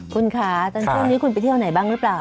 คุณค้าตอนนี้คุณไปเที่ยวไหนบ้างรึเปล่า